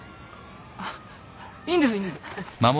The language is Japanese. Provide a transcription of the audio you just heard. あっいいんですいいんです。